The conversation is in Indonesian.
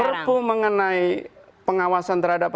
perpu mengenai pengawasan terhadap